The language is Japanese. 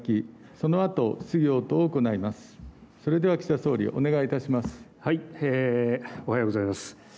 それでは岸田総理おはようございます。